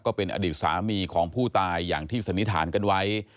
ก็เป็นอดีตสามีของผู้ตายอย่างที่สันนิษฐานกันไว้